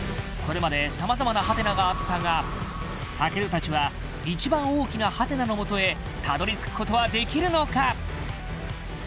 これまで様々なハテナがあったが健たちは一番大きなハテナのもとへたどり着くことはできるのか？